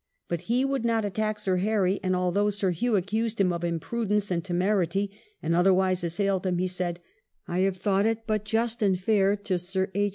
But he would not attack Sir Harry, and, although Sir Hew accused him of imprudence and temerity, and otherwise assailed him, he said, " I have thought it but just and fair to Sir H.